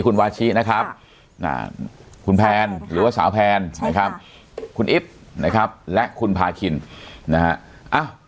คุณวาชินะครับคุณแพนหรือว่าสาวแพนนะครับคุณอิ๊บนะครับและคุณพาคินนะฮะ